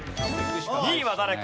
２位は誰か？